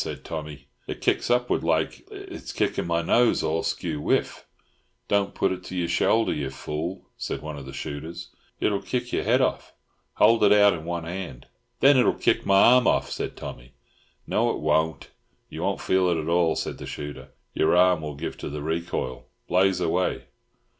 said Tommy. "It kicks upwards like; it's kicking my nose all skewwhiff." "Don't put it to your shoulder, you fool," said one of the shooters; "it'll kick your head off. Hold it out in one hand." "Then it'll kick my arm off," said Tommy. "No, it won't; you won t feel it at all," said the shooter. "Your arm will give to the recoil. Blaze away!"